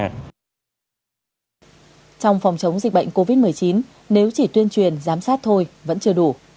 trong phòng chống dịch bệnh covid một mươi chín nếu chỉ tuyên truyền giám sát thôi vẫn chưa đủ